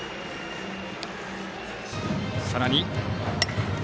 さらに。